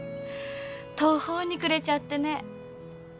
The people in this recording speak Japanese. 途方に暮れちゃってね。